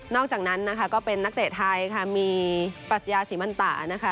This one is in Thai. นอกจากนั้นเป็นนักเตะไทยมีปราสยาศรีมันตา